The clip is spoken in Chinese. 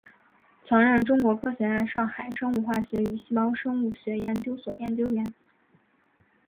曾任中国科学院上海生物化学与细胞生物学研究所研究员。